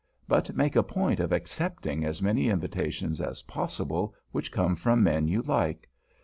But make a point of accepting as many invitations as possible which come from men you like.